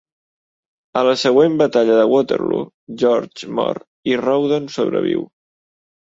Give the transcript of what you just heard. A la següent batalla de Waterloo, George mor i Rawdon sobreviu.